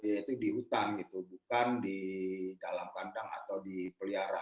yaitu di hutan gitu bukan di dalam kandang atau di pelihara